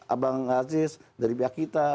abang aziz dari pihak kita